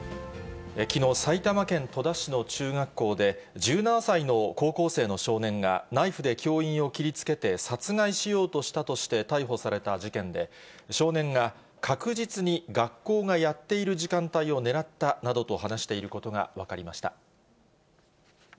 きのう、埼玉県戸田市の中学校で、１７歳の高校生の少年が、ナイフで教員を切りつけて殺害しようとしたとして逮捕された事件で、少年が確実に学校がやっている時間帯を狙ったなどと話していることが分かりました。